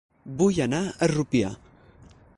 Vull anar a Rupià